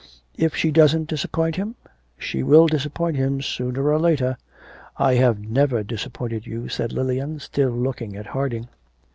'If she doesn't disappoint him?' 'She will disappoint him sooner or later.' 'I have never disappointed you,' said Lilian, still looking at Harding.